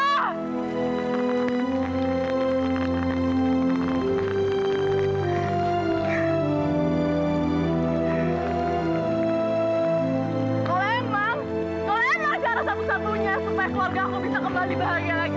kalo emang kalo emang cara satu satunya supaya keluarga aku bisa kembali bahagia lagi